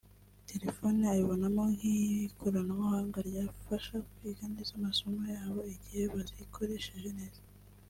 telefone ayibonamo nk’ikoranabuhanga ryabafasha kwiga neza amasomo ya bo igihe bazikorsheje neza